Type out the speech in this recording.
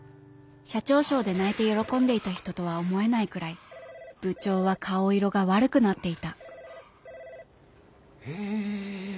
社長賞で泣いて喜んでいた人とは思えないぐらい部長は顔色が悪くなっていたええ